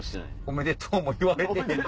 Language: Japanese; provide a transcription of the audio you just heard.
「おめでとうも言われてへんで」。